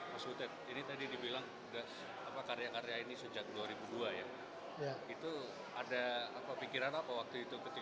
mas uted ini tadi dibilang sudah karya karya ini sejak dua ribu dua ya itu ada apa pikiran apa waktu itu ketika